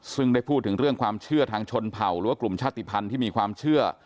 ซึ่งได้พูดถึงเรื่องความเชื่อทางชนเผ่าหรือว่ากลุ่มชาติภัณฑ์ที่มีความเชื่อ